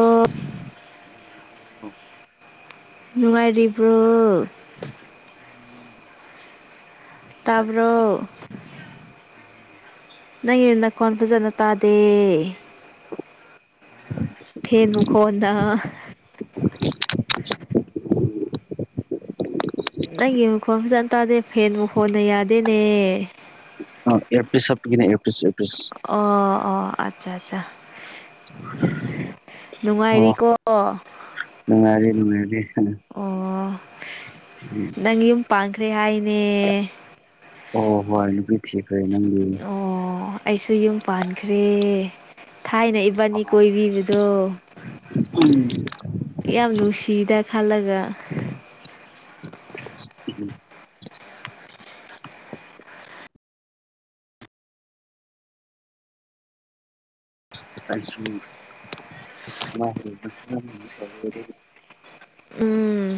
ꯑꯣ ꯑ ꯅꯨꯡꯉꯥꯏꯔꯤꯕ꯭ꯔꯣ꯫ ꯇꯕꯔꯣ꯫ ꯅꯪꯒꯤ ꯅꯀꯣꯟ ꯐꯖꯅ ꯇꯥꯗꯦ꯫ ꯍꯝ ꯇꯦꯅꯨ ꯈꯣꯟꯗ꯫ [unintelligible] ꯅꯪꯒꯤ ꯃꯈꯣꯟ ꯐꯖꯅ ꯇꯥꯗꯦ ꯐꯦꯟ ꯃꯈꯣꯟꯅ ꯌꯥꯗꯦꯅꯦꯍꯦ꯫ ꯑꯥ ꯏꯌꯥꯔꯐꯤꯁ ꯍꯥꯞꯄꯒꯤꯅꯤ ꯏꯌꯥꯔꯐꯤꯁ꯫ ꯑꯣ ꯑꯣ ꯑꯠꯆꯥ ꯑꯠꯆꯥ꯫ ꯅꯨꯡꯉꯥꯏꯔꯤꯀꯣ꯫ ꯅꯨꯡꯉꯥꯏꯔꯤ꯫ ꯑꯣ [unintelligible] ꯅꯪ ꯌꯨꯝ ꯄꯥꯟꯈ꯭ꯔꯦ ꯍꯥꯏꯅꯦ꯫ ꯑꯣ ꯍꯣꯏ ꯅꯨꯄꯤ ꯊꯈꯔꯦ ꯅꯪꯒꯤ ꯑꯣ ꯑꯩꯁꯨ ꯌꯨꯝ ꯄꯥꯟꯈ꯭ꯔꯦ꯫ ꯊꯥꯏꯅ ꯏꯕꯥꯅꯤ ꯀꯣꯏꯕꯤꯕꯗꯣ꯫ ꯌꯥꯝ ꯅꯨꯡꯁꯤꯗ ꯈꯜꯂꯒ꯫ ꯎꯝ꯫ ꯑꯩꯁꯨ [unintelligible] ꯎꯝ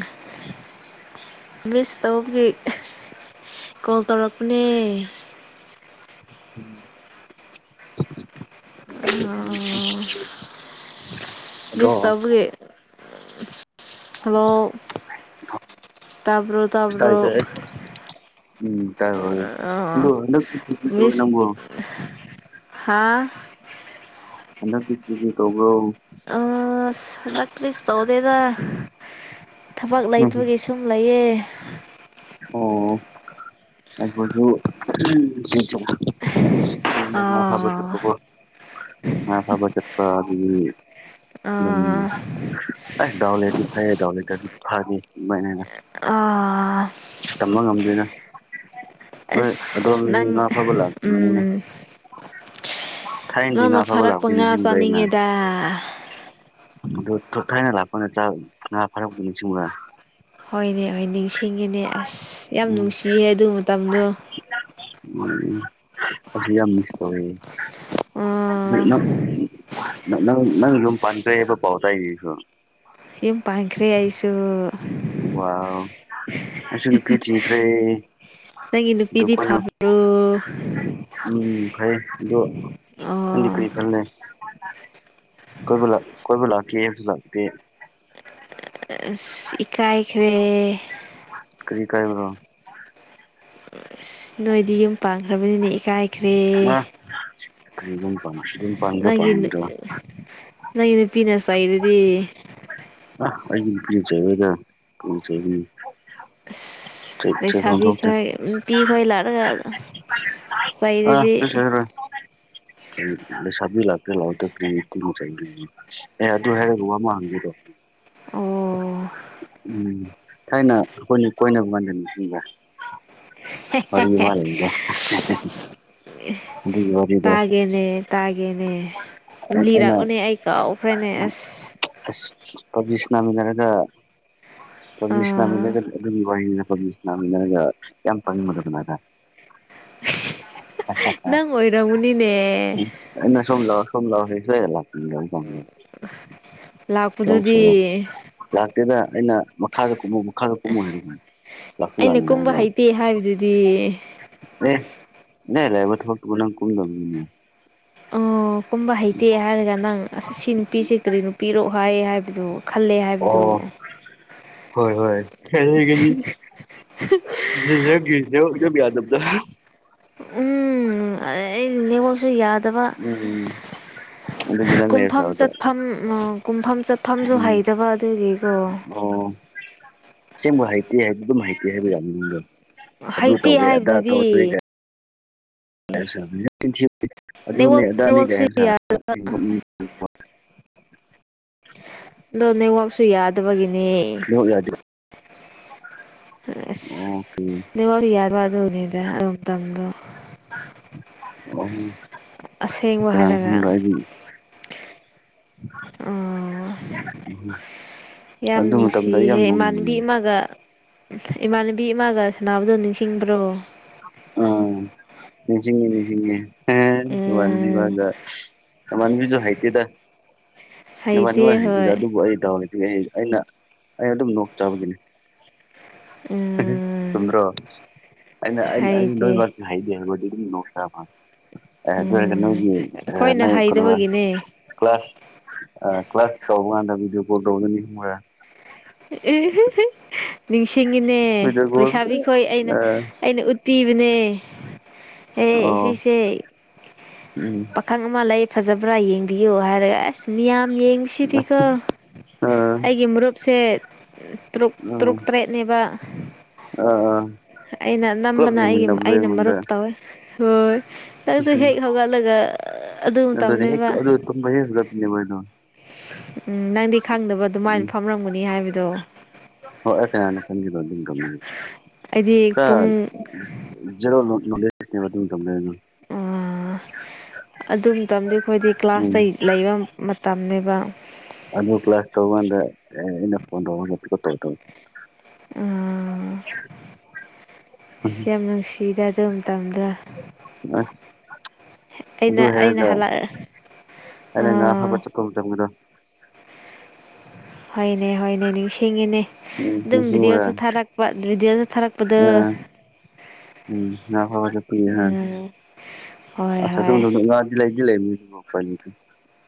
ꯃꯤꯁ ꯇꯧꯕꯒꯤ ꯀꯣꯜ ꯇꯧꯔꯛꯄꯅꯦ꯫ ꯎꯝ꯫ [unintelligible] ꯃꯤꯁ ꯇꯧꯕꯒꯤ꯫ ꯍꯜꯂꯣ ꯇꯥꯕ꯭ꯔꯣ ꯇꯥꯕ꯭ꯔꯣ꯫ ꯇꯥꯏ ꯇꯥꯏ ꯎꯝ ꯇꯑꯣꯏ [unintelligible] ꯅꯪꯕꯨ ꯍꯥꯥ꯫ ꯍꯟꯗꯛꯀꯤ ꯈꯔꯦꯆꯔꯤ ꯇꯧꯕꯔꯣ꯫ ꯑꯁ ꯍꯟꯗꯛ ꯄ꯭ꯂꯤꯁ ꯇꯧꯗꯦꯗ ꯊꯕꯛ ꯂꯩꯇꯕꯒꯤꯁꯨ ꯑꯗꯨꯝ ꯂꯩꯌꯦ꯫ ꯑꯣ꯫ ꯑꯩꯕꯨꯁꯨ [unintelligible] ꯉꯥ ꯐꯕ ꯑꯥ ꯆꯠꯄꯀꯣ꯫ ꯉꯥ ꯐꯕ ꯆꯠꯄ ꯑꯗꯨꯒꯤ꯫ ꯗꯨꯝ ꯑꯥ ꯑꯦ ꯗꯥꯎꯂꯩꯔꯗꯤ ꯐꯥꯌꯦ ꯗꯥꯎꯂꯩꯇ꯭ꯔꯗꯤ ꯐꯗꯦ ꯑꯗꯨꯝꯃꯥꯏꯅ꯫ ꯑꯥ꯫ ꯇꯝꯕ ꯉꯝꯗꯦꯅ꯫ ꯅꯣꯏ ꯑꯁ ꯑꯗꯣꯝꯗꯤ ꯅꯪ ꯉꯥ ꯐꯥꯕ ꯂꯥꯛꯄꯅꯤꯅꯦ ꯎꯝ꯫ ꯊꯥꯏꯅꯗꯤ ꯅꯪꯅ ꯉꯥ ꯐꯕ ꯐꯥꯔꯛꯄ ꯂꯥꯛꯄꯤ ꯉꯥ ꯅꯤꯡꯁꯤꯡꯕ꯭ꯔꯩ ꯅ꯫ ꯆꯥꯅꯤꯡꯉꯦꯗ ꯑꯗꯨ ꯊꯣ ꯊꯥꯏꯅ ꯂꯥꯛꯄꯅ ꯆ ꯉꯥ ꯐꯥꯔꯛꯄꯗꯨ ꯅꯤꯡꯁꯤꯡꯕ꯭ꯔꯥ꯫ ꯍꯣꯏꯅꯦ ꯍꯣꯏ ꯅꯤꯡꯁꯤꯡꯉꯤꯅꯦ ꯑꯁ ꯌꯥꯝ ꯎꯝ ꯅꯨꯡꯁꯤꯌꯦ ꯑꯗꯨ ꯃꯇꯝꯗꯨ꯫ ꯎꯝ ꯍꯧꯖꯤ ꯌꯥꯝ ꯃꯤꯁ ꯇꯧꯋꯦ꯫ ꯅ ꯑꯣ ꯅꯪ ꯅ ꯅꯪ ꯅꯪ ꯌꯨꯝ ꯄꯟꯗ꯭ꯔꯦ ꯍꯥꯏꯕ ꯄꯥꯎꯇꯥꯏꯌꯦ ꯑꯩꯁꯨ꯫ ꯌꯨꯝ ꯄꯥꯟꯈ꯭ꯔꯦ ꯑꯩꯁꯨ꯫ ꯋ꯭ꯥꯎ ꯑꯩꯁꯨ ꯅꯨꯄꯤ ꯊꯤꯈ꯭ꯔꯦ꯫ ꯅꯪꯒꯤ ꯑꯗꯨ ꯅꯨꯄꯤꯗꯤ ꯀꯣꯟꯅ ꯐꯥꯕ꯭ꯔꯣ꯫ ꯎꯝ ꯐꯩ ꯗꯣ ꯅꯪꯗꯤ ꯑꯣ ꯀꯔꯤ ꯈꯜꯂꯦ꯫ ꯀꯣꯏꯕꯂꯥꯛ ꯀꯣꯏꯕꯂꯥꯛꯀꯦ ꯍꯥꯏꯕꯁꯨ ꯂꯥꯛꯇꯦ꯫ ꯑꯁ ꯏꯀꯥꯏꯈ꯭ꯔꯦ꯫ ꯀꯔꯤ ꯏꯀꯥꯏꯕ꯭ꯔꯣ꯫ ꯑꯁ ꯅꯣꯏꯗꯤ ꯌꯨꯝ ꯄꯥꯟꯈ꯭ꯔꯕꯅꯤꯅ ꯏꯀꯥꯏꯈ꯭ꯔꯦ꯫ ꯀ꯭ꯔꯤ ꯌꯨꯝ ꯄꯥꯟꯈꯤꯕꯥ ꯏ ꯅꯪꯒꯤ ꯅ ꯅꯪꯒꯤ ꯅꯨꯄꯤꯅ ꯆꯩꯔꯗꯤ꯫ ꯑ ꯑꯩꯏ ꯅꯨꯄꯤꯅ ꯆꯩꯔꯣꯏꯗ ꯄꯨꯡ ꯆꯩꯒꯅꯤ꯫ ꯆꯩ ꯆꯩꯐꯝ ꯂꯩꯁꯥꯕꯤ ꯊꯣꯛꯇꯦ ꯈꯣꯏ ꯅꯨꯄꯤꯈꯣꯏ ꯂꯥꯛꯔꯒ ꯑꯥ ꯆꯩꯔꯗꯤ꯫ ꯀꯩꯁꯨ ꯍꯥꯏꯔꯣꯏ ꯂꯩꯁꯥꯕꯤ ꯂꯥꯛꯀꯦ ꯂꯥꯛꯑꯣꯏꯇꯣꯛ ꯀꯔꯤ ꯇꯤꯉꯣꯛꯆꯥꯏ ꯗꯨꯕꯨ ꯑꯦ ꯑꯗꯨ ꯍꯥꯏꯔꯒ ꯋꯥ ꯑꯃ ꯍꯪꯒꯦꯀꯣ ꯑꯣ ꯎꯝ ꯊꯥꯏꯅ ꯑꯈꯣꯏꯅꯤ ꯀꯣꯏꯅꯕ ꯃꯕꯅꯤꯗꯨ ꯅꯤꯡꯁꯤꯡꯕ꯭ꯔꯥ ꯋꯥꯔꯤ ꯑꯃ ꯂꯩꯌꯤꯗꯣ꯫ [unintelligible] ꯇꯥꯒꯦꯅꯦ ꯇꯥꯒꯦꯅꯦ ꯑꯩꯅ ꯂꯤꯔꯛꯎꯅꯦ ꯑꯩ ꯀꯥꯎꯈ꯭ꯔꯦꯅꯦ ꯑꯁ ꯑꯁ ꯄꯕꯖꯤ ꯁꯥꯟꯅꯃꯤꯟꯅꯔꯒ ꯄꯕꯤ ꯑꯥ ꯁꯥꯟꯅꯃꯤꯟꯅꯒ ꯑꯗꯨꯒꯤ ꯋꯥꯔꯤꯅꯤꯅ ꯄꯕꯤ ꯁꯥꯟꯅꯃꯤꯅꯔꯒ ꯌꯥꯝ ꯄꯪꯕꯗꯨꯒꯤꯅꯥꯏ ꯇꯥꯏ ꯅꯪ ꯑꯣꯏꯔꯝꯃꯅꯤꯅꯦ꯫ ꯑꯩꯅ ꯁꯣꯝꯂꯥꯎ ꯁꯣꯝꯂꯥꯎ ꯍꯥꯏ ꯁꯨꯌ ꯂꯥꯛꯇꯦ꯫ ꯆꯧ ꯂꯥꯛꯄꯗꯨꯗꯤ ꯁꯣꯔꯣꯛ ꯂꯥꯛꯇꯦꯗ ꯑꯩꯅ ꯃꯈꯥꯗ ꯀꯨꯝꯃꯨ ꯃꯈꯥꯗ ꯀꯨꯝꯃꯨ ꯍꯥꯏꯔꯤ ꯗꯨꯃꯥꯏꯟ ꯑꯩꯅ ꯀꯨꯝꯕ ꯍꯩꯇꯦ ꯍꯥꯏꯕꯗꯨꯗꯤ꯫ ꯑꯦ ꯏꯅꯥꯏ ꯂꯥꯏꯕ ꯊꯕꯛꯇꯨꯕꯨ ꯅꯪ ꯀꯨꯝꯗꯕꯅꯤꯅꯦ꯫ ꯑꯣ ꯀꯨꯝꯕ ꯍꯩꯇꯦ ꯍꯥꯏꯔꯒ ꯅꯪ ꯑꯁ ꯁꯤ ꯅꯨꯄꯤꯁꯦ ꯀꯔꯤ ꯅꯨꯄꯤꯔꯣ ꯍꯥꯏ ꯍꯥꯏꯕꯗꯣ ꯈꯜꯂꯦ ꯍꯥꯏꯕꯗꯣ ꯑꯣ ꯍꯣꯏ ꯍꯣꯏ ꯀꯜꯂꯤ ꯒꯜꯂꯤ꯫ [unintelligible] ꯎꯝ ꯑ ꯑꯩ ꯅꯦꯋꯥꯛꯁꯨ ꯌ꯭ꯥꯗ ꯎꯝ ꯑꯗꯨꯒꯤ ꯅꯪ ꯀꯨꯝꯐꯝ ꯂꯩꯔꯁꯨꯗ ꯆꯠꯐꯝ ꯀꯨꯝꯐꯝ ꯆꯠꯐꯝꯁꯨ ꯎꯝ ꯍꯩꯇꯕ ꯑꯗꯨꯒꯤꯀꯣ ꯑꯣ ꯑꯁꯦꯡꯕ ꯍꯥꯏꯩꯇꯦ ꯑꯗꯨꯝ ꯍꯥꯏꯩꯇꯦ ꯍꯥꯏꯕ ꯌꯥꯏ꯫ ꯑꯗꯨ ꯍꯩꯇꯦ ꯇꯧꯋꯦ ꯑꯗ ꯍꯥꯏꯕꯗꯨꯗꯤ ꯀꯥꯏ ꯫ ꯑꯗꯨꯅꯦ ꯅꯦꯠꯋꯥꯛ ꯑꯗꯥꯅꯤ ꯀ ꯅꯦꯠꯋꯥꯛꯁꯨ ꯁꯥ ꯑꯗꯣ ꯅꯦꯋꯥꯛꯁꯨ ꯌꯥꯗꯕꯒꯤꯅꯦ꯫ ꯅꯦꯋꯥꯛ ꯌꯥꯗꯦꯕ꯫ ꯑꯁ ꯑꯣꯀꯦ ꯅꯕ ꯌꯥꯔ ꯋꯥ ꯑꯗꯨꯅꯤꯗ ꯑꯗꯨꯝ ꯇꯗꯣ꯫ ꯑꯁꯦꯡꯕ ꯀꯅꯥꯅ ꯍꯥꯏꯔꯒ ꯀꯨꯪꯪꯕꯔ ꯑꯗꯨ ꯑꯥ [inaudible] ꯌꯥꯝ ꯃꯇꯝꯗ ꯑꯩ ꯅꯨꯡꯁꯤꯍꯦ ꯌꯥꯝ ꯅꯣꯛꯅꯤꯡꯕꯅꯤꯅꯦ ꯏꯃꯥꯟꯅꯕꯤꯃꯒ ꯏꯃꯥꯟꯅꯕꯤ ꯏꯃꯥꯒ ꯁꯥꯟꯅꯕꯗꯣ ꯅꯤꯡꯁꯤꯡꯕ꯭ꯔꯣ ꯑꯣ ꯅꯤꯡꯁꯤꯡꯉꯦ ꯅꯤꯡꯁꯤꯡꯉꯦ꯫ ꯎꯝ ꯍꯟꯕꯤꯒꯟꯕꯤꯁꯨ ꯍꯥꯏꯇꯗ ꯅꯨꯡꯉꯥꯏ ꯅꯨꯡꯉꯥꯏ ꯍꯩꯇꯦ ꯍꯥꯏꯗꯗ ꯍꯣꯏ ꯑꯗꯨꯕꯨ ꯑꯩ ꯇꯔ ꯑꯩꯅ ꯑꯩ ꯑꯗꯨꯝ ꯅꯣꯛꯆꯕꯒꯤꯅꯤ꯫ ꯎꯝ ꯆꯨꯝꯗꯔꯣ ꯑ ꯅꯣꯏꯔ ꯍꯩꯇꯦ ꯍꯥꯏꯗꯤꯦꯗꯤ ꯅꯣꯏꯁꯕ ꯑꯦ ꯑꯗꯨ ꯍꯖ ꯎꯝ ꯅꯒꯤ ꯑ ꯅ ꯑꯩꯈꯣꯏꯅ ꯀꯩꯅ ꯍꯩꯗꯕꯒꯤꯅꯦ ꯀ꯭ꯂꯥꯁ ꯀ꯭ꯂꯥꯁ ꯀꯥꯎꯕ ꯑꯗ ꯕꯤꯑꯣ ꯀꯣꯜ ꯇꯧꯅꯤ ꯍꯕ [unintelligible] ꯅꯤꯡꯁꯤꯡꯉꯤꯅꯦ ꯚꯤꯗꯤꯑꯣ ꯀꯣꯜ ꯂꯩꯁꯥꯕꯤꯈꯣꯏ ꯑꯩꯅ ꯑꯩꯅ ꯎꯠꯄꯤꯕꯅꯦ꯫ ꯑꯦ ꯑꯣ ꯁꯤꯁꯦ ꯎꯝ ꯄꯑꯀꯅꯒ ꯑꯃ ꯂꯩ ꯐꯖꯕ꯭ꯔꯥ ꯌꯦꯡꯕꯤꯌꯨ ꯍꯥꯏꯔꯦ ꯑꯁ ꯃꯤꯌꯥꯝ ꯌꯦꯡꯁꯤꯗꯤꯀꯣ ꯑꯩꯒꯤ ꯃꯔꯨꯞꯁꯦ꯫ ꯇꯨꯛ ꯇꯔꯨꯛ ꯎꯝ ꯇꯔꯦꯠꯅꯦꯕ꯫ ꯑꯩꯅ ꯄꯨꯂꯞ ꯅꯝꯕꯅ ꯑꯩꯒꯤ ꯌꯦꯡꯃꯤꯟꯅꯕꯗꯣ ꯑꯩꯅ ꯑꯩꯉꯣꯟꯗ ꯃꯔꯨꯞ ꯇꯧꯋꯦ꯫ ꯍꯣꯏ ꯅꯪꯁꯨ ꯍꯦꯛ ꯍꯧꯒꯠꯂꯒ ꯑꯗꯨ ꯑꯗꯨꯅꯦ ꯇꯝꯅꯦꯕ꯫ [unintelligible] ꯎꯝ ꯅꯪꯗꯤ ꯈꯪꯗꯕ ꯑꯗꯨꯃꯥꯏꯅ ꯎꯝ ꯐꯝꯔꯝꯒꯅꯤ ꯍꯥꯏꯕꯗꯣ ꯁꯟꯗ ꯑꯗꯨ ꯑꯗꯨꯝ ꯀꯃ ꯑꯩꯗꯤ ꯀ ꯄꯨꯡ ꯔꯣ ꯂꯩ ꯊꯝ ꯑꯣ ꯑꯗꯨ ꯃꯇꯝꯗꯤ ꯑꯩꯈꯣꯏꯗꯤ ꯎꯝ ꯀ꯭ꯂꯥꯁꯇ ꯂꯩꯕ ꯃꯇꯝꯅꯦꯕ ꯑꯗꯨꯗ ꯄ꯭ꯂꯥꯁꯁ ꯇꯒꯟ ꯏꯅ ꯎ ꯁꯤ ꯌꯥꯝ ꯅꯨꯡꯁꯤꯗ ꯑꯗꯨ ꯃꯇꯝ ꯃꯇꯝꯗ ꯑꯁ ꯑꯗꯨ ꯑꯩꯅ ꯑꯩꯅ ꯍꯥꯏꯔꯒ ꯍꯜꯂꯛꯑ ꯎ ꯑꯧ ꯊꯝꯃꯒꯗꯣ ꯍꯣꯏꯅꯦ ꯍꯣꯏꯅꯦ ꯅꯤꯡꯁꯤꯡꯉꯤꯅꯦ ꯎꯝ ꯑꯗꯨꯝ ꯅꯤꯡꯁꯤꯡꯕ꯭ꯔꯥ ꯚꯤꯗꯤꯑꯣꯁꯨ ꯊꯥꯔꯛꯄ ꯚꯤꯗꯤꯑꯣꯁꯨ ꯊꯥꯔꯛꯄꯗ ꯑꯥ ꯎꯝ ꯉ ꯐꯕ ꯆꯠꯄ ꯍꯥꯏ ꯎꯝ ꯍꯣꯏ ꯑꯁ ꯍꯣꯏ ꯂꯩꯁꯤ ꯂꯩꯅꯤ ꯐꯅꯤ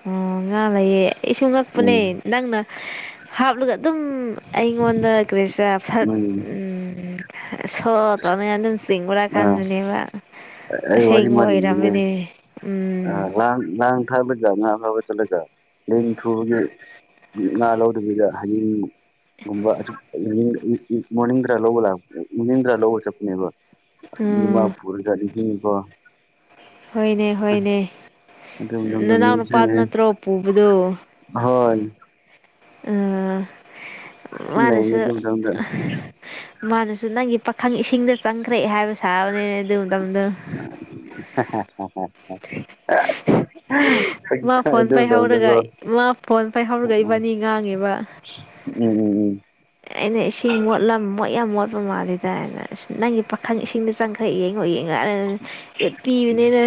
ꯑꯣ ꯉꯥ ꯂꯩꯌꯦ ꯑꯩꯁꯨ ꯉꯛꯄꯅꯦ ꯎꯝ ꯅꯪꯅ ꯍꯥꯞꯂꯒ ꯑꯗꯨꯝ ꯑꯩꯉꯣꯟꯗ ꯀꯔꯤꯁꯥ ꯠ ꯎꯝ ꯁꯣ ꯇꯅ ꯑꯗꯨꯝ ꯑꯥ ꯆꯤꯡꯕ꯭ꯔꯥꯀꯟꯗꯨꯅꯦꯕ ꯑꯩ ꯁꯦꯡ ꯏꯔꯃꯤꯅꯦ ꯑꯥꯡ ꯂꯥꯡ ꯊꯥꯛꯂꯒ ꯉꯥ ꯐꯥꯕ ꯆꯠꯂꯒ ꯂ ꯊꯨꯕꯒꯤ ꯉꯥ ꯂꯧꯗꯕꯤꯗ ꯍꯌꯤꯡꯒꯨꯝꯕ ꯑꯁꯨ ꯃꯅꯤꯗ꯭ꯔꯥ ꯂꯣꯕ ꯂꯥꯛ ꯃꯅꯤꯗ꯭ꯔꯥ ꯂꯣꯕ ꯆꯄꯅꯤꯕ ꯏꯃ ꯎꯝ ꯐꯨꯜ ꯀꯔꯤꯁꯤ ꯀ ꯍꯣꯏꯅꯦ ꯍꯣꯏꯅꯦ ꯃꯇꯝꯗꯣ ꯅꯅꯥꯎ ꯅꯨꯄꯥꯗꯨ ꯅꯤꯡꯁꯤꯡꯉꯦ ꯅꯠꯇ꯭ꯔꯣ ꯄꯨꯕꯗꯣ ꯍꯣꯏ ꯎꯝ ꯊꯤ ꯅꯩꯕꯅꯦ ꯃꯥꯅꯁꯨ ꯑꯗꯨ ꯃꯇꯝꯗꯣ ꯃꯥꯅꯁꯨ ꯅꯪꯒꯤ ꯄꯥꯈꯪ ꯏꯁꯤꯡꯗ ꯆꯪꯈ꯭ꯔꯑꯦ ꯍꯥꯏꯕ ꯁꯥꯕꯅꯤꯅꯦ ꯑꯗꯨ ꯃꯇꯝꯗꯣ [unintelligible] ꯃꯥ ꯐꯣꯟ ꯑꯗꯨ ꯄꯥꯏꯍꯧꯔꯒ ꯃꯇꯝꯗꯀꯣ ꯃꯥ ꯐꯣꯟ ꯄꯥꯏꯍꯧꯔꯒ ꯏꯕꯥꯅꯤ ꯉꯥꯡꯉꯦꯕ ꯎꯝ ꯎꯝ ꯎꯝ ꯑꯩꯅ ꯏꯁꯤꯡ ꯃꯣꯠꯂꯝ ꯃꯣꯠ ꯌꯥꯝ ꯃꯣꯠꯄ ꯃꯥꯜꯂꯤꯗꯅ ꯅꯪꯒꯤ ꯄꯥꯈꯪ ꯏꯁꯤꯡꯗ ꯆꯪ ꯍ ꯌꯦꯡꯉꯣ ꯌꯦꯡ ꯉꯔ ꯎꯠꯄꯤꯕꯅꯤꯅ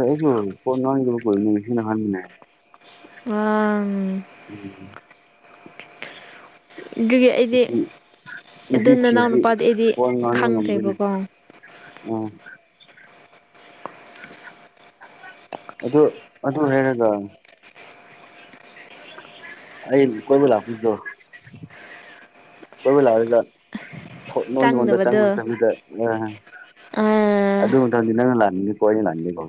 ꯑꯩꯁꯨ ꯄꯅꯅꯤ ꯃꯁꯤꯅ ꯍ ꯃꯅ ꯎꯝ ꯎꯝ ꯑꯗꯨꯒꯤ ꯑꯩꯗꯤ ꯑꯗꯨ ꯅꯨꯄꯤ ꯅꯅꯥꯎ ꯊꯤꯔꯗꯤ ꯅꯨꯄꯥꯗꯤ ꯑꯩꯗꯤ ꯈꯪꯈ꯭ꯔꯦꯕꯀꯣ ꯎ ꯑꯗꯨ ꯑꯗꯨ ꯍꯒ ꯑꯩ ꯀꯣꯏꯕꯨ ꯂꯀꯗ ꯀꯣꯏꯕꯨ ꯂ ꯆ ꯅꯣꯏ ꯃꯣꯟꯗ ꯇꯪꯅ ꯆꯪꯗꯕꯗꯣ ꯇꯝꯗ ꯑ ꯑꯥ ꯑꯗꯨ ꯃꯇꯝꯗꯤ ꯅꯪ ꯂꯥꯟꯅꯤꯡ ꯀꯣ ꯂꯥꯟꯅꯤꯦꯀꯣ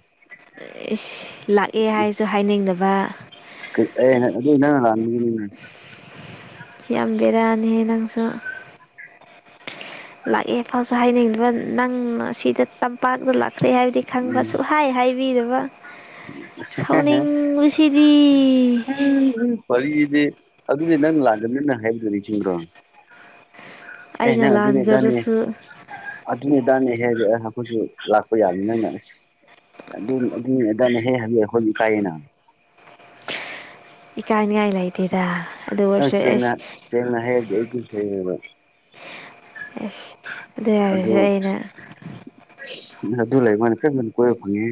ꯂꯥꯛꯑꯦ ꯍꯥꯏꯁꯨ ꯍꯥꯏꯅꯤꯡꯗꯕ ꯑꯗꯨ ꯅ ꯌꯥꯝ ꯕꯤꯔꯥꯅꯤꯍꯦ ꯅꯪꯁꯨ ꯂꯥꯛꯑꯦꯐꯥꯎꯁꯨ ꯍꯥꯏꯅꯤꯡꯗꯕ ꯅꯪꯅ ꯁꯤꯗ ꯇꯝꯄꯥꯛꯇ ꯂꯥꯛꯈ꯭ꯔꯦ ꯍꯥꯏꯕꯗꯤ ꯈꯪꯕꯁꯨ ꯎꯝ ꯍꯥꯏ ꯍꯥꯏꯕꯤꯗꯕ ꯁꯥꯎꯅꯤꯡꯕꯁꯤꯗꯤ ꯋꯥꯔꯤꯔꯤꯗꯤ ꯑꯗꯨꯗꯤ ꯅꯪ ꯂꯥꯛꯀꯅꯤꯅ ꯍꯥꯏꯖꯔꯤꯁꯤꯡꯕ꯭ꯔꯣ ꯄꯅ ꯑꯩꯅ ꯑꯗꯨ ꯑꯗꯨꯅꯤ ꯂꯥꯟꯖꯔꯁꯨ ꯑꯗꯨꯅꯤꯗꯥꯅꯦꯍꯦꯛ ꯑꯩꯈꯣꯏꯁꯨ ꯂꯥꯛꯄ ꯌꯥꯅꯤꯅꯅ ꯑꯁ ꯑꯗꯨ ꯍꯦ ꯍꯧꯕꯤ ꯍꯧꯣꯏꯖꯤꯛ ꯀꯥꯏꯌꯦꯅ ꯏꯀꯥꯏꯅꯤꯉꯥꯏ ꯂꯩꯇꯦꯗ ꯑꯗꯨ ꯌꯥꯝ ꯑꯣꯏꯔꯁꯨ ꯁꯦꯡꯅ ꯑꯦꯁ ꯁꯦꯡꯅ ꯍꯥꯏꯔꯗꯤ ꯑꯩꯁꯨ ꯁꯦꯡꯉꯦꯕ ꯑ ꯑꯗꯨ ꯑꯗꯨ ꯂꯩ ꯃꯣꯏꯅ ꯐꯩ ꯀꯣꯏꯔꯛ ꯐꯉ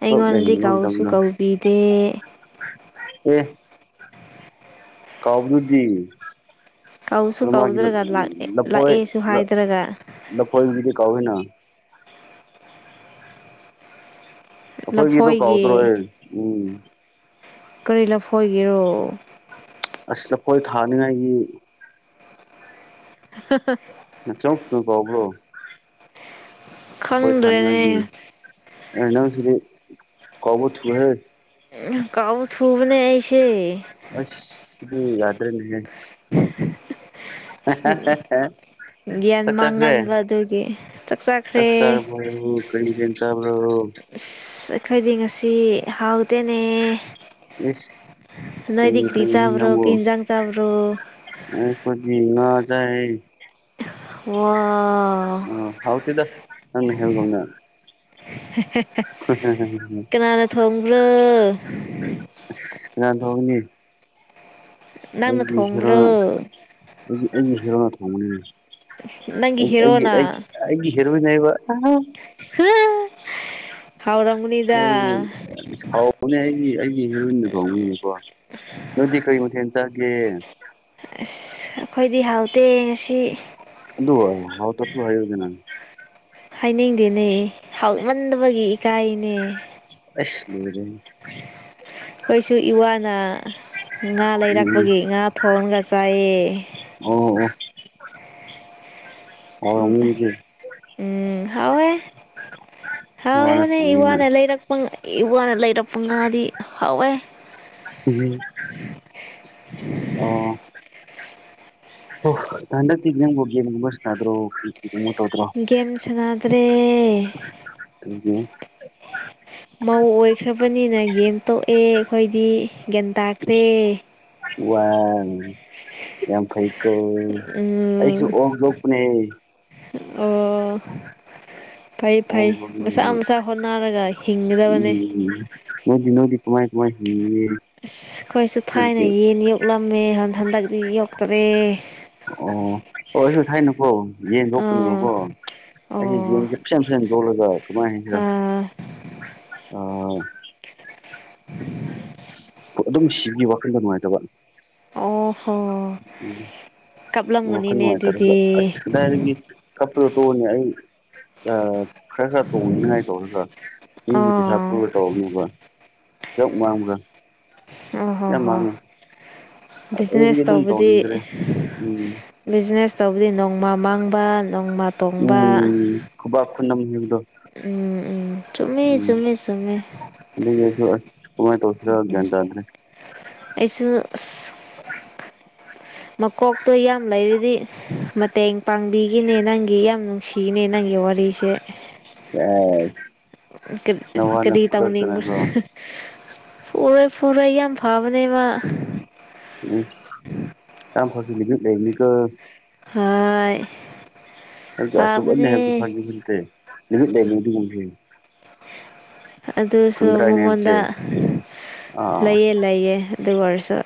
ꯎ ꯑꯩꯉꯣꯟꯗꯤ ꯂꯩꯃꯤꯟꯅꯕ ꯀꯧꯁꯨ ꯃꯇꯝꯗ ꯀꯧꯕꯤꯗꯦ ꯑꯦ ꯀꯥꯎꯕꯗꯨꯗꯤ ꯀꯧꯁꯨ ꯀꯩꯅꯣ ꯃꯥꯒꯤ ꯀꯧꯗ꯭ꯔꯒ ꯂꯥꯛꯑꯦꯁꯨ ꯍꯥꯏꯗ꯭ꯔꯒ ꯂꯥꯐꯣꯏꯗꯨꯗꯤ ꯀꯧꯋꯦꯅ ꯑꯩꯈꯣꯏꯒꯤꯗꯣ ꯂꯐꯣꯏꯒꯤ ꯀꯥꯎꯗ꯭ꯔꯣꯍꯦ ꯎꯝ ꯀꯔꯤ ꯂꯐꯣꯏꯒꯦꯔꯣ ꯑꯁꯤ ꯂꯥꯐꯈꯣꯏ ꯊꯥꯅꯤꯉꯥꯏꯒꯤ [unintelligible] ꯅꯆꯥꯎ ꯊꯨꯅ ꯀꯥꯎꯕꯔꯣ ꯍꯣꯏ ꯊꯅꯤꯉꯥꯏꯒꯤ ꯈꯪꯗ꯭ꯔꯦꯅꯦ ꯑꯦ ꯅꯪꯥꯁꯤꯗꯤ ꯀꯥꯎꯕ ꯊꯨꯏꯍꯦ ꯎꯝ ꯀꯥꯎꯕ ꯊꯨꯕꯅꯦ ꯑꯩꯁꯦ ꯑꯁ ꯁꯤꯗꯤ ꯌꯥꯗ꯭ꯔꯦꯅꯦꯍꯦ ꯒ꯭ꯌꯥꯟ ꯆꯥꯛ ꯆꯥꯗ꯭ꯔꯦ ꯃꯥꯡꯒꯟꯕ ꯑꯗꯨꯒꯤ ꯆꯥꯛ ꯆꯥꯈ꯭ꯔꯦ ꯆꯥꯔꯕꯣ ꯀꯔꯤ ꯃꯊꯦꯜ ꯆꯥꯕꯔ꯭ꯣ ꯑꯁ ꯑꯩꯈꯣꯏꯗꯤ ꯉꯁꯤ ꯍꯥꯎꯇꯦꯅꯦ ꯏꯁ ꯅꯣꯏꯗꯤ ꯀꯔꯤ ꯆꯥꯕ꯭ꯔꯣ ꯀꯩ ꯏꯟꯖꯥꯡ ꯆꯥꯕ꯭ꯔꯣ ꯑꯩꯈꯣꯏꯗꯤ ꯉꯥ ꯆꯥꯏ ꯋꯥꯎ ꯑꯥ ꯍꯥꯎꯇꯦꯗ ꯅꯪ ꯍꯦꯜꯒꯨꯝꯅꯦ ꯀꯅꯥꯅ ꯊꯣꯡꯕ꯭ꯔꯣ ꯑꯁ ꯀꯅꯥ ꯊꯣꯡꯒꯅꯤ ꯅꯪꯅ ꯑꯩꯒꯤ ꯍꯦꯔꯣꯅ ꯊꯣꯡꯕ꯭ꯔꯣ ꯑꯩꯒꯤ ꯍꯦꯔꯣꯅ ꯊꯣꯡꯕꯅꯦ ꯅꯪꯒꯤ ꯑꯩ ꯑꯩꯒꯤ ꯍꯦꯔꯣꯅ ꯑꯩꯒꯤ ꯍꯦꯔꯣꯌꯤꯟꯅ ꯑꯩꯕꯨ ꯇꯃꯣ ꯍꯥꯎꯔꯝꯒꯅꯤꯗ [unintelligible] ꯍꯥꯎꯅꯦ ꯑꯩꯒꯤ ꯑꯩꯒꯤ ꯍꯦꯔꯣꯏꯟꯅ ꯊꯣꯡꯕꯅꯦꯀꯣ ꯅꯣꯏꯗꯤ ꯀꯔꯤ ꯃꯊꯦꯜ ꯆꯥꯒꯦ ꯑꯁ ꯑꯩꯈꯣꯏꯗꯤ ꯍꯥꯎꯇꯦ ꯉꯁꯤ ꯑꯗꯨ ꯍꯥꯎꯇꯔꯥꯁꯨ ꯍꯥꯏꯌꯨꯗꯅ ꯍꯥꯏꯅꯤꯡꯗꯦꯅꯦ ꯍꯥꯎꯛꯃꯟꯗꯕꯒꯤ ꯏꯀꯥꯏꯅꯦ ꯑꯁ ꯂꯣꯏꯔꯦ ꯑꯩꯈꯣꯏꯁꯨ ꯏꯋꯥꯅ ꯉꯥ ꯎꯝ ꯂꯩꯔꯛꯄꯒꯤ ꯉꯥ ꯊꯣꯡꯉꯥꯒ ꯆꯥꯌꯦ ꯑꯣ ꯑꯣ ꯍꯥꯎꯔꯝꯒꯅꯤ ꯑꯗꯨꯗꯤ ꯎꯝ ꯍꯥꯎꯋꯦ ꯅꯋꯥꯅ ꯍꯥꯎꯕꯅꯦ ꯏ ꯊꯣꯡꯕꯅꯤꯅ ꯋꯥꯅ ꯂꯩꯔꯛꯄ ꯏꯋꯥꯅ ꯂꯩꯔꯛꯄ ꯉꯥꯗꯤ ꯍꯥꯎꯋꯦ ꯎꯝ ꯑꯣ ꯍꯟꯗꯛꯇꯤ ꯅꯪꯕꯨ ꯒꯦꯝꯒꯨꯝꯕ ꯁꯅꯥꯗꯔꯣ [unintelligible] ꯒꯦꯝ ꯁꯅꯥꯗ꯭ꯔꯦ ꯀꯩꯒꯤ ꯃꯧ ꯑꯣꯏꯈ꯭ꯔꯕꯅꯤꯅ ꯒꯦꯝ ꯇꯣꯛꯑꯦ ꯑꯩꯈꯣꯏꯗꯤ ꯒ꯭ꯌꯥꯟ ꯇꯥꯈ꯭ꯔꯦ ꯋꯥꯎ ꯌꯥꯝ ꯐꯩꯀꯣ ꯑꯩꯁꯨ ꯎꯝ ꯑꯣ ꯂꯣꯛꯄꯅꯦ ꯑꯣ ꯐꯩ ꯐꯩ ꯃꯁꯥ ꯃꯁꯥ ꯍꯣꯠꯅꯔꯒ ꯍꯤꯡꯒꯗꯕꯅꯦ [unintelligible] ꯀꯃꯥꯏ ꯀꯃꯥꯏ ꯍꯤꯡꯉꯤꯒꯦ ꯑꯁ ꯑꯩꯈꯣꯏꯁꯨ ꯊꯥꯏꯅ ꯅꯣꯏꯗꯤ ꯌꯦꯟ ꯌꯣꯛꯂꯝꯃꯦ ꯍꯟꯗꯛꯇꯤ ꯌꯣꯛꯇꯔꯦ ꯑꯣ ꯑꯣ ꯑꯩꯁꯨ ꯊꯥꯏꯅꯀꯣ ꯌꯦꯟ ꯑꯥ ꯊꯣꯛꯄꯅꯦꯕꯀꯣ ꯑꯩꯁꯦ ꯑꯣ ꯌꯦꯟꯁꯦ ꯁꯦꯝ ꯁꯦꯝꯗꯣꯛꯂꯒ ꯀꯃꯥꯏ ꯍꯥꯏꯁꯤꯔ ꯑꯥ ꯑꯥ [inaudible] ꯑꯗꯨꯝ ꯁꯤꯒꯤ ꯋꯥꯈꯜꯗ ꯅꯨꯡꯉꯥꯏꯇꯕ ꯑꯣ ꯍꯣ ꯎꯝ ꯋꯥꯈꯜ ꯀꯞꯂꯝꯒꯅꯤꯅꯦ ꯅꯨꯡꯉꯥꯏꯇꯔꯒ ꯑꯗꯨꯗꯤ ꯑꯁ ꯀꯗꯥꯏꯗꯒꯤ ꯀꯛꯄꯥꯗꯣ ꯇꯣꯅꯤ ꯑꯩ ꯑꯥ ꯈꯔ ꯈꯔ ꯇꯣꯡꯅꯤꯡꯉꯥꯏ ꯇꯧꯔꯒ ꯃꯤꯒꯤ ꯄꯩꯁꯥ ꯑꯥ ꯄꯨꯔꯥꯒ ꯇꯧꯕꯅꯤ [unintelligible] ꯃꯥꯡꯕ ꯑꯣ ꯍꯣ-ꯍꯣ ꯑꯗꯨꯗꯒꯤ ꯕꯤꯖꯤꯅꯦꯁ ꯑꯗꯨꯝ ꯇꯧꯕꯗꯤ ꯇꯧꯅꯤꯡꯗ꯭ꯔꯦ ꯎꯝ ꯕꯤꯖꯤꯅꯦꯁ ꯇꯧꯕꯗꯤ ꯅꯣꯡꯃ ꯃꯥꯡꯕ ꯅꯣꯡꯃ ꯇꯣꯡꯕ ꯈꯨꯕ ꯑꯟꯅ ꯃꯒꯗꯣ ꯎꯝ ꯎꯝ ꯆꯨꯝꯃꯦ ꯆꯨꯝꯃꯦ ꯆꯨꯝꯃꯦ ꯎꯝ ꯑꯗꯨ ꯝ ꯑꯩꯁꯨ ꯃꯀꯣꯛꯇꯣ ꯌꯥꯝ ꯂꯩꯔꯤꯗꯤ ꯃꯇꯦꯡ ꯄꯥꯡꯕꯤꯈꯤꯅꯦ ꯅꯪꯒꯤ ꯌꯥꯝ ꯅꯨꯡꯁꯤꯅꯦ ꯅꯪꯒꯤ ꯋꯥꯔꯤꯁꯦ ꯑ ꯀ ꯀꯔꯤ ꯇꯅꯤ ꯄꯔꯦ ꯄꯨꯔ ꯑ ꯌꯥꯝ ꯐꯕꯅꯦ ꯃꯥ ꯎ ꯌꯥꯝ ꯐꯁꯤ ꯂꯤꯒ ꯂꯩꯅꯤ ꯀ ꯍ ꯑꯗꯨ ꯑꯆ ꯑꯅꯤ ꯍꯥꯏꯕꯁꯨ ꯐꯪꯉꯤ ꯅꯠꯇꯦ ꯅꯨꯃꯤꯠ ꯂꯩꯅꯤꯡ ꯑꯗꯨꯁꯨ ꯆꯨꯝꯗ꯭ꯔꯥ ꯑꯩꯅ ꯍꯥꯏꯕꯁꯦ ꯃꯉꯣꯟꯗ ꯑꯥ ꯂꯩꯌꯦ ꯂꯩꯌꯦ ꯑꯗꯨꯒ ꯑꯣꯏꯔꯁꯨ